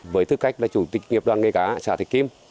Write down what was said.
với tư cách là chủ tịch nghiệp đoàn nghề cá xã thạch kim